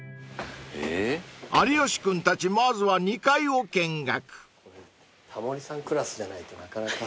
［有吉君たちまずは２階を見学］